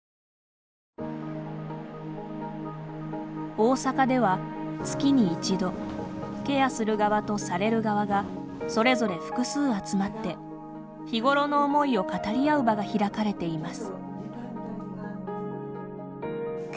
大阪では月に１度ケアする側とされる側がそれぞれ複数集まって日頃の思いを語り合う場が開かれています。